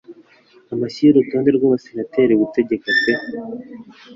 Amashyi y'urutonde rw'abasenateri gutegeka pe